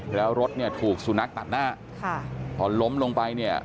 แล้วรถเนี่ยถูกสุนัขตัดหน้าค่ะพอล้มลงไปเนี่ย